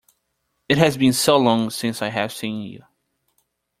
It has been so long since I have seen you!